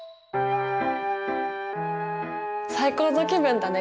「最高の気分だね